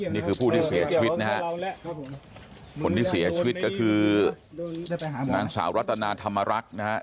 นี่คือผู้ที่เสียชีวิตนะฮะคนที่เสียชีวิตก็คือนางสาวรัตนาธรรมรักษ์นะฮะ